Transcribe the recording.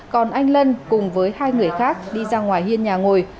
còn anh lân cùng với hai người khác đi ra ngoài hiên nhà ngồi